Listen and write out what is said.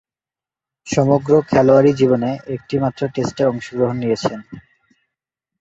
সমগ্র খেলোয়াড়ী জীবনে একটিমাত্র টেস্টে অংশ নিয়েছেন।